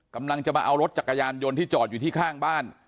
กำลังจะมาเอารถจักรยานยนต์ที่จอดอยู่ที่ข้างบ้าน